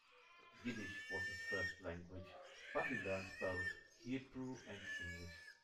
Yiddish was his first language, but he learned both Hebrew and English.